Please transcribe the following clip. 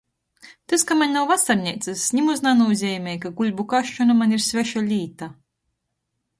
Tys, ka maņ nav vasarneicys, nimoz nanūzeimoj, ka guļbu kasšona maņ ir sveša līta.